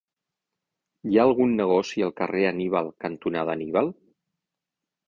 Hi ha algun negoci al carrer Anníbal cantonada Anníbal?